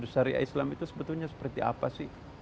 syariah islam itu sebetulnya seperti apa sih